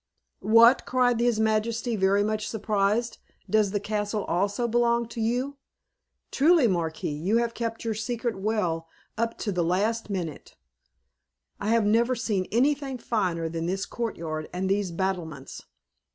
"What!" cried his majesty, very much surprised, "does the castle also belong to you? Truly, Marquis, you have kept your secret well up to the last minute. I have never seen anything finer than this courtyard and these battlements.